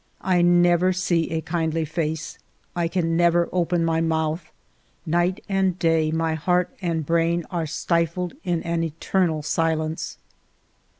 I never see a kindly face ; I can never open my mouth ; night and day my heart and brain are stifled in an eternal silence.